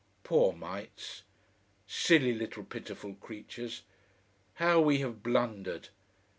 Poor mites! Silly little pitiful creatures! How we have blundered!